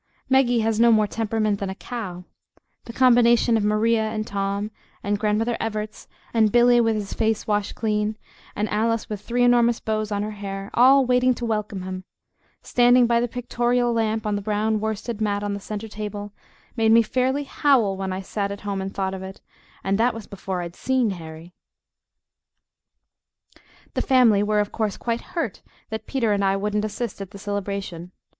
Peggy has no more temperament than a cow the combination of Maria and Tom, and Grandmother Evarts, and Billy with his face washed clean, and Alice with three enormous bows on her hair, all waiting to welcome him, standing by the pictorial lamp on the brown worsted mat on the centre table, made me fairly howl when I sat at home and thought of it and that was before I'd SEEN Harry. The family were, of course, quite "hurt" that Peter and I wouldn't assist at the celebration.